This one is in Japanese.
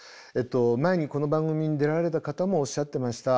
前にこの番組に出られた方もおっしゃってました。